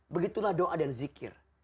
begitulah doa dan zikir